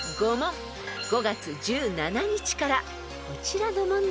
［５月１７日からこちらの問題］